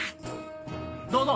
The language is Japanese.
どうぞ！